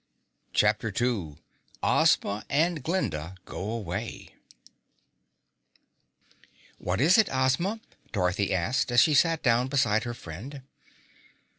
CHAPTER 2 Ozma and Glinda Go Away "What is it, Ozma?" Dorothy asked, as she sat down beside her friend.